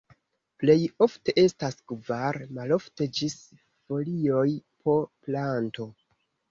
Plej ofte estas kvar, malofte ĝis folioj po planto.